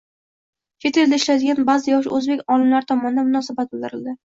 chet elda ishlaydigan ba’zi yosh o‘zbek olimlari tomonidan munosabat bildirildi.